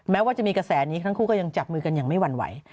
แม้ว่าจะมีกระแสนี้ทั้งคู่ก็ยังจับมือกันอย่างไม่หวั่นไหว